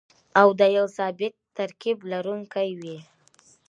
او د يو ثابت ترکيب لرونکي وي.